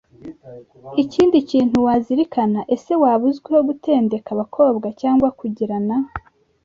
Ikindi kintu wazirikana ese waba uzwiho gutendeka abakobwa cyangwa kugirana